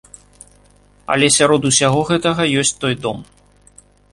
Але сярод усяго гэтага ёсць той дом!